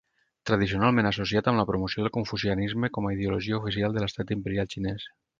Tradicionalment associat amb la promoció del confucianisme com a ideologia oficial de l'estat imperial xinès.